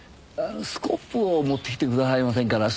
スコップを持ってきてくださいませんかな？